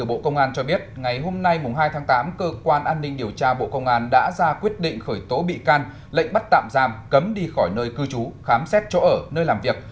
bộ công an cho biết ngày hôm nay hai tháng tám cơ quan an ninh điều tra bộ công an đã ra quyết định khởi tố bị can lệnh bắt tạm giam cấm đi khỏi nơi cư trú khám xét chỗ ở nơi làm việc